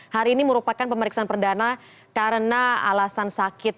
hari ini merupakan pemeriksaan perdana karena alasan sakit